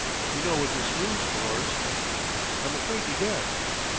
"You know what this means, Lors?" "I'm afraid to guess."